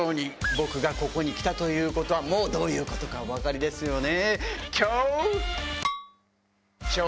僕がここに来たということはもうどういうことかお分かりですよね。